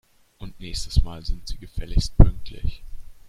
Und nächstes Mal sind Sie gefälligst pünktlich